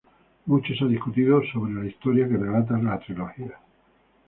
Mucho se ha discutido acerca de la historia que relata la Trilogía.